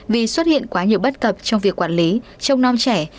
vì xuất hiện quá nhiều bất cập trong việc quản lý trông non trẻ